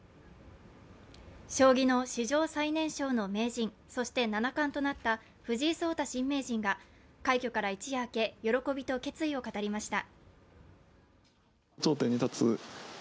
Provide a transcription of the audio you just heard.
将棋の史上最年少の名人、そして七冠となった藤井聡太新名人が快挙から一夜明け、喜びと決意を語りました。